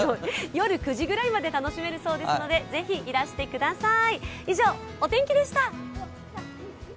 夜９時ぐらいまで楽しめるそうなのでぜひ、いらしてください。